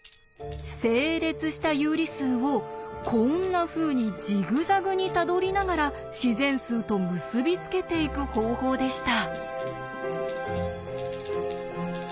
整列した有理数をこんなふうにジグザグにたどりながら自然数と結び付けていく方法でした。